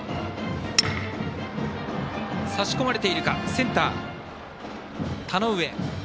センター、田上。